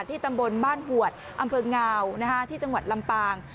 ตำบลบ้านหวดอำเภองาวที่จังหวัดลำปาง